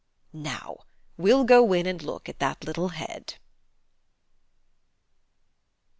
Now we'll go in and look at that little head...."